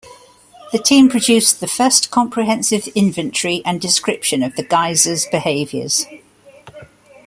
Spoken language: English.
The team produced the first comprehensive inventory and description of the geysers' behaviors.